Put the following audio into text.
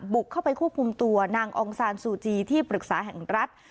บุกเข้าไปควบคุมตัวนางองซานซูจีที่ปรึกษาแห่งรัฐ